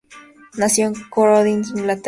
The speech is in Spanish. Nació en Croydon, Inglaterra.